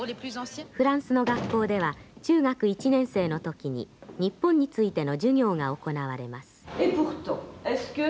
「フランスの学校では中学１年生の時に日本についての授業が行われます」。